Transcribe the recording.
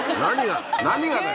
何が？